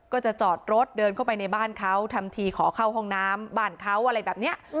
ก็จะจอดรถเดินเข้าไปในบ้านเขาทำทีขอเข้าห้องน้ำบ้านเขาอะไรแบบนี้